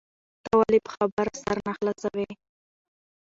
ته ولي په خبره سر نه خلاصوې؟